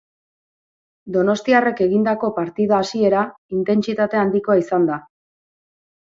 Donostiarrek egindako partida hasiera intentsitate handikoa izan da.